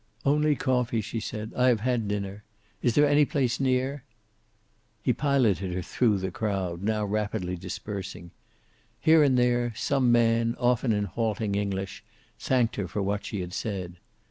"Only coffee," she said. "I have had dinner. Is there any place near?" He piloted her through the crowd, now rapidly dispersing. Here and there some man, often in halting English, thanked her for what she had said.